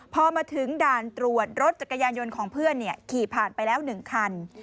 พอมาถึงด่านตรวจรถจักรยานยนต์ของเพื่อนขี่ผ่านไปแล้ว๑คัน